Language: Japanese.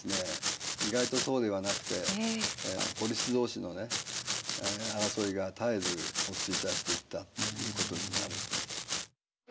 意外とそうではなくてポリス同士の争いが絶えず衰退していったということになるんです。